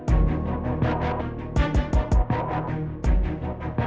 mas udah terbuka lagi lah di rumah ni